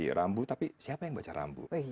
iya rambu tapi siapa yang baca rambu